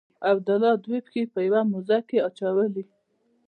عبدالله دوې پښې په یوه موزه کې اچولي.